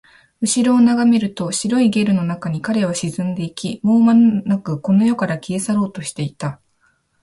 後ろを眺めると、白いゲルの中に彼は沈んでいき、もうまもなくこの世から消え去ろうとしていた